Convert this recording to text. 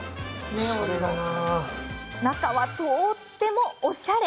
中は、とってもおしゃれ。